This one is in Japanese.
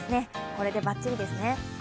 これでバッチリですね。